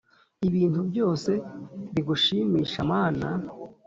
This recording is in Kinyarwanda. ibintu byose bigushimisha mana